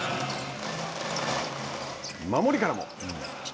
守りからも。